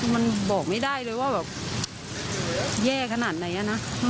มันบอกไม่ได้เลยว่าแบบแย่ขนาดไหนนะ